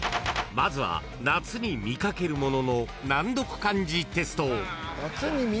［まずは夏に見掛けるものの難読漢字テスト］